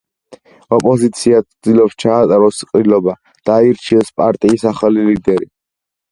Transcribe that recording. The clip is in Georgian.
ოპოზიცია ცდილობს ჩაატაროს ყრილობა და აირჩიოს პარტიის ახალი ლიდერი.